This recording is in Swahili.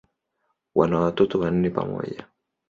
Wana watoto wanne pamoja.